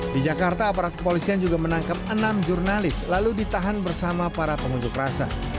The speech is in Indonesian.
di jakarta aparat kepolisian juga menangkap enam jurnalis lalu ditahan bersama para pengunjuk rasa